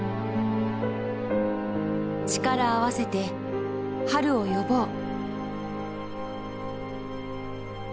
力合わせて春を呼ぼう。